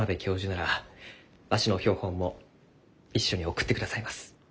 ならわしの標本も一緒に送ってくださいます。